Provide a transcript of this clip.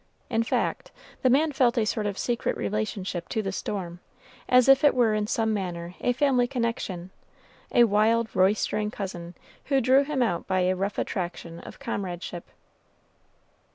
In fact, the man felt a sort of secret relationship to the storm, as if it were in some manner a family connection a wild, roystering cousin, who drew him out by a rough attraction of comradeship.